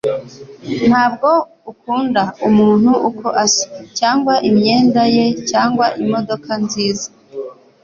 Ntabwo ukunda umuntu uko asa, cyangwa imyenda ye cyangwa imodoka nziza,